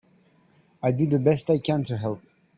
I do the best I can to help.